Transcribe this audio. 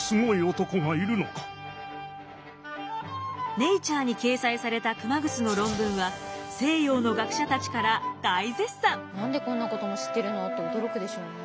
「ネイチャー」に掲載された熊楠の論文は何でこんなことも知ってるのって驚くでしょうね。